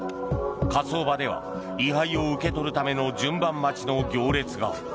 火葬場では遺灰を受け取るための順番待ちの行列が。